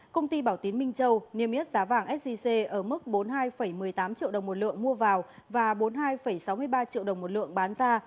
công ty bảo tín minh châu niêm yết giá vàng sgc ở mức bốn mươi hai một mươi tám triệu đồng một lượng mua vào và bốn mươi hai sáu mươi ba triệu đồng một lượng bán ra